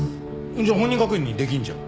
じゃあ本人確認できるじゃん。